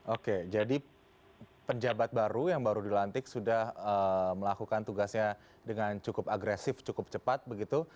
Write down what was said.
oke jadi penjabat baru yang baru dilantik sudah melakukan tugasnya dengan cukup agresif cukup cepat begitu